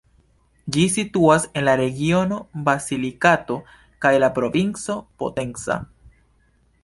Ĝi situas en la regiono Basilikato kaj la provinco Potenza.